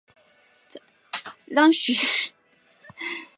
片头曲是歌手矢田悠佑的出道作。